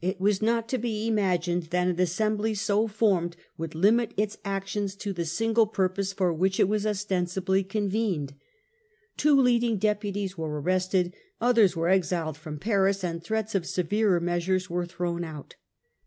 It was not to be imagined that an assembly so formed would limit its action to the single purpose for which it was ostensibly convened. Two leading deputies were arrested, others were exiled from Paris, and threats of severer measures were thrown out.